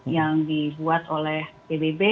yang dibuat oleh pbb